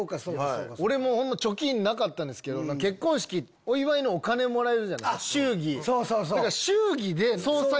俺も貯金なかったんですけど結婚式お祝いのお金もらえるじゃないですか祝儀。